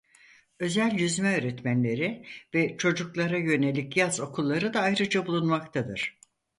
Özel yüzme öğretmenleri ve çocuklara yönelik yaz okulları da ayrıca bulunmaktadır.